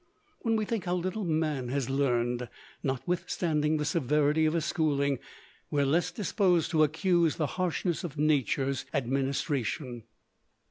When we think how little man has learned, notwithstanding the severity of his schooling, we are less disposed to accuse the harshness of Nature's administration.